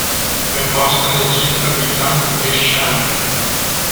È posta nel centro abitato di S-chanf.